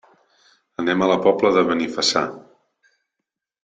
Anem a la Pobla de Benifassà.